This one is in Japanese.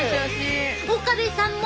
岡部さんも。